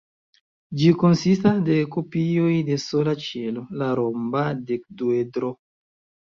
Ĝi konsistas de kopioj de sola ĉelo, la romba dekduedro.